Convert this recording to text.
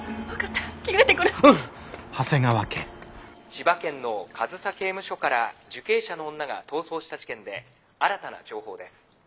「千葉県の上総刑務所から受刑者の女が逃走した事件で新たな情報です。